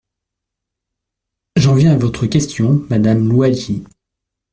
J’en viens à votre question, madame Louwagie.